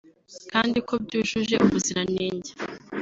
kandi ko byujuje ubuziranenge